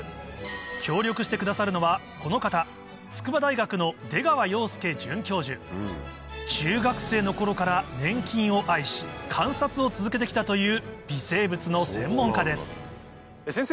協力してくださるのはこの方中学生の頃から粘菌を愛し観察を続けて来たという微生物の専門家です先生